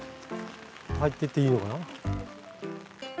入ってっていいのかな。